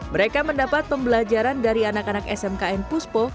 mereka mendapat pembelajaran dari anak anak smkn puspo